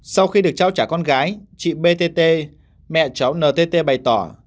sau khi được trao trả con gái chị btt mẹ cháu ntt bày tỏ